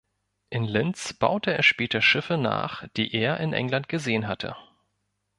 In Linz baute er später Schiffe nach, die er in England gesehen hatte.